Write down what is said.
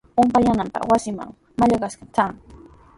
Upyanqanpita wasinman mallaqnashqa tran.